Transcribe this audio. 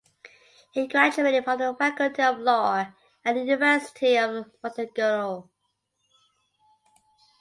He graduated from the Faculty of Law at the University of Montenegro.